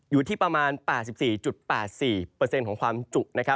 อยู่ที่ประมาณ๘๔๘๔ของความจุ